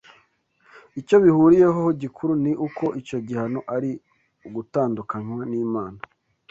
icyo bihuriyeho gikuru ni uko icyo gihano ari ugutandukanywa n’Imana